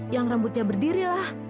yang rambutnya berdiri lah